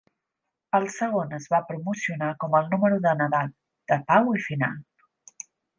El segon es va promocionar com el Número de Nadal, de Pau i Final.